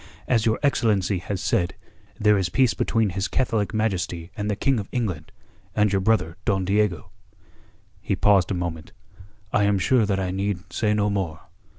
As your excellency has said, there is peace between His Catholic Majesty and the King of England, and your brother Don Diego...." He paused a moment. "I am sure that I need say no more.